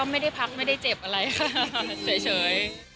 ไม่ได้พักไม่ได้เจ็บอะไรค่ะเฉย